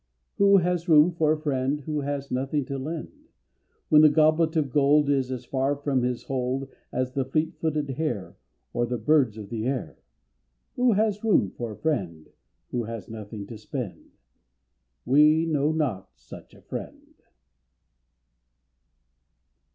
Who has room for a friend Who has nothing to lend, When the goblet of gold Is as far from his hold As the fleet footed hare, Or the birds of the air. Who has room for a friend Who has nothing to spend? We know not such a friend.